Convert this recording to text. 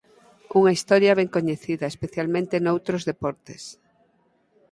Unha historia ben coñecida, especialmente noutros deportes.